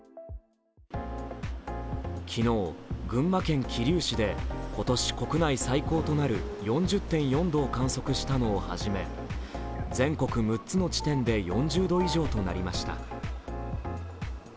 昨日、群馬県桐生市で今年国内最高となる４０．４度を観測したのを始め全国６つの地点で４０度以上となりました。